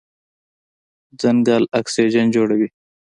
ځنګل اکسیجن جوړوي.